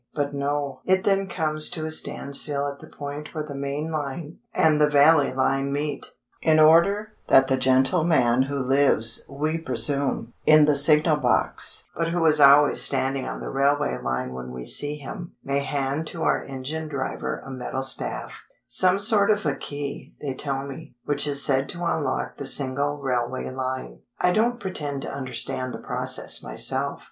But no; it then comes to a standstill at the point where the main line and the Valley line meet, in order that the gentleman who lives—we presume—in the signal box (but who is always standing on the railway line when we see him) may hand to our engine driver a metal staff—some sort of a key, they tell me, which is said to unlock the single railway line. I don't pretend to understand the process myself.